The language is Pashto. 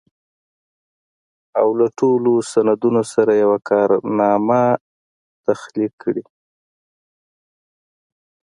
او له ټولو سندونو سره يوه کارنامه تخليق کړي.